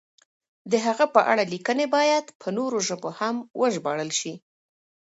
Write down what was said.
د هغه په اړه لیکنې باید په نورو ژبو هم وژباړل شي.